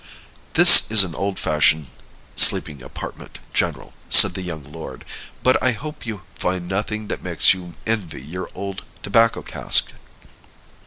"This is an old fashioned sleeping apartment, general," said the young lord; "but I hope you find nothing that makes you envy your old tobacco cask."